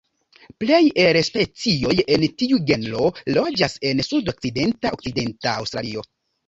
Plej el la specioj en tiu genro loĝas en sudokcidenta Okcidenta Aŭstralio.